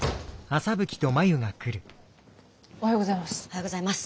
おはようございます。